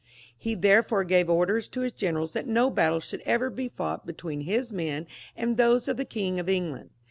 He therefore gave orders to his generals that no battle should ever be fought betweenhis men and those of the King of England.